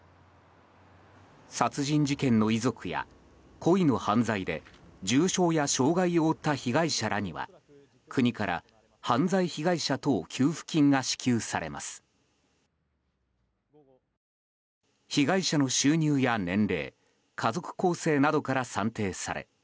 殺人事件の遺族や故意の犯罪で重傷や障害を負った被害者らには国から犯罪被害者等給付金が支給されます。